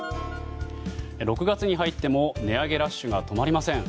６月に入っても値上げラッシュが止まりません。